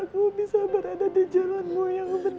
aku bisa berada di jalanmu yang benar